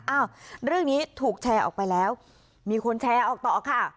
อ้าวเรื่องนี้ถูกแชร์ออกไปแล้วมีคนแชร์ออกต่อค่ะ